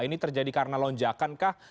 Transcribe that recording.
ini terjadi karena lonjakan kah